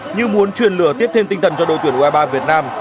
như muốn truyền lửa tiếp thêm tinh thần cho đội tuyển u hai mươi ba việt nam